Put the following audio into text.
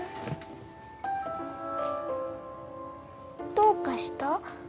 どうかした？